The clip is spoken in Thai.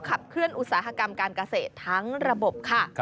ขับเคลื่อนอุตสาหกรรมการเกษตรทั้งระบบค่ะ